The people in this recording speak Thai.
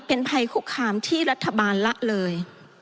เป็นภัยคุกคามที่รัฐบาลละเลย